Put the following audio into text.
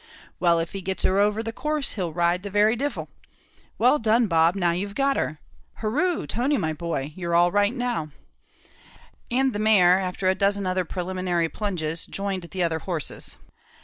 Well if he gets her over the course, he'd ride the very divil. Well done, Bob, now you've got her Hurroo, Tony, my boy, you're all right now:" and the mare, after a dozen preliminary plunges, joined the other horses.